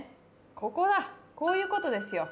ここだこういうことですよ。